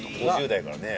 ５０代やからね。